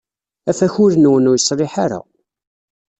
Afakul-nwen ur yeṣliḥ ara.